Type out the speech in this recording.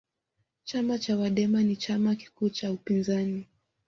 chama cha chadema ni chama kikuu cha upinzani